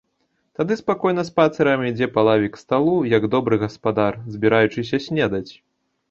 Тады спакойна спацырам ідзе па лаве к сталу, як добры гаспадар, збіраючыся снедаць.